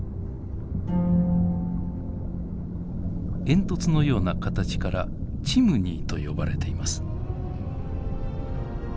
煙突のような形からチムニーと呼ばれています。